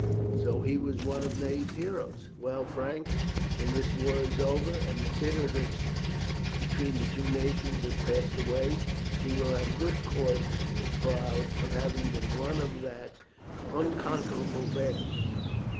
So he was one of Ney's heroes! Well, Frank, when this war is over, and the bitterness between the two nations has passed away, he will have good cause to feel proud of having been one of that unconquerable band.